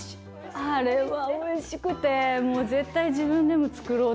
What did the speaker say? あれはおいしくてもう絶対自分でも作ろうと思いました。